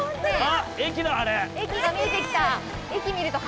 駅が見えてきた！